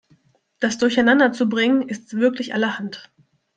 Das durcheinander zu bringen, ist wirklich allerhand.